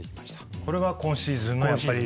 これは今シーズンのやっぱり特徴ですか？